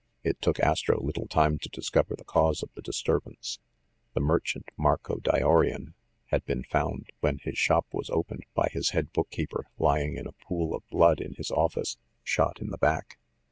It took Astro little time to discover the cause of the disturbance. The merchant, Marco Dyorian, had been found, when his shop was opened by his head bookkeeper, lying in a pool of blood in his office, shot in the back.